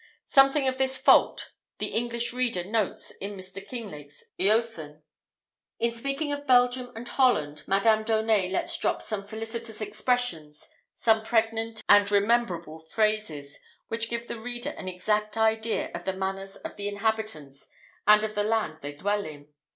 Something of this fault the English reader notes in Mr. Kinglake's "Eöthen." In speaking of Belgium and Holland, Madame d'Aunet lets drop some felicitous expressions, some pregnant and rememberable phrases, which give the reader an exact idea of the manners of the inhabitants and of the land they dwell in.